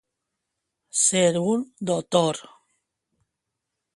Ser un dotor.